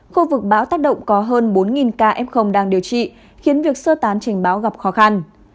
khu vực bão tác động có hơn bốn ca f đang điều trị khiến việc sơ tán trình báo gặp khó khăn